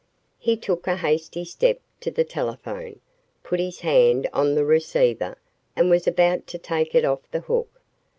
He took a hasty step to the telephone, put his hand on the receiver and was about to take it off the hook.